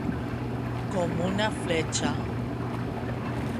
Com una fletxa.